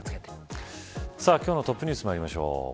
さあ今日のトップニュースまいりましょう。